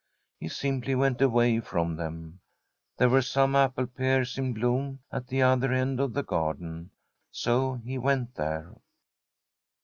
He simply went away from them. There were some apple pears in bloom at the other end of the garden, so he went there.